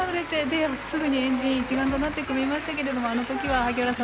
すぐに円陣を一丸となって組みましたけどあのときは萩原さん